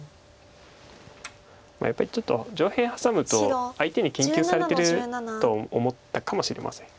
やっぱりちょっと上辺ハサむと相手に研究されてると思ったかもしれません。